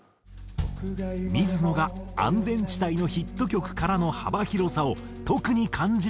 水野が安全地帯のヒット曲からの幅広さを特に感じるというのが。